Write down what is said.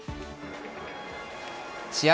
試合